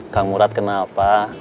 kang murad kenapa